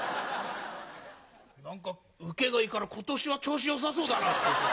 何かウケがいいから今年は調子よさそうだな。